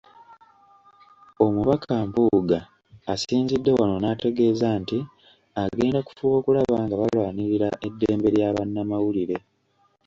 Omubaka Mpuuga asinzidde wano n'ategeeza nti agenda kufuba okulaba nga balwanirira eddembe lya bannamawulire .